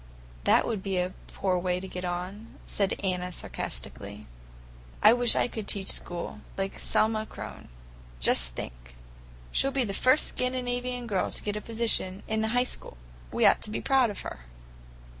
"That would be a poor way to get on," said Anna sarcastically. "I wish I could teach school, like Selma Kronn. Just think! She'll be the first Scandinavian girl to get a position in the High School. We ought to be proud of her."